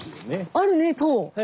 あるねえ！